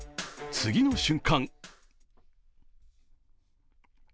次の瞬間